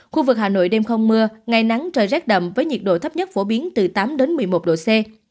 khu vực hà nội đêm không mưa ngày nắng trời rét đậm với nhiệt độ thấp nhất phổ biến từ tám đến một mươi một độ c